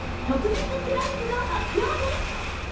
特別プライスの発表です！